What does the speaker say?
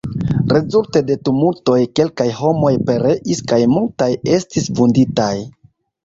Rezulte de tumultoj kelkaj homoj pereis kaj multaj estis vunditaj.